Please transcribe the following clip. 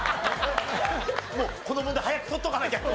もうこの問題早く取っとかなきゃと。